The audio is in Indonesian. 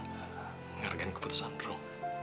menghargai keputusan dron